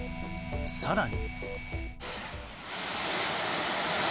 更に。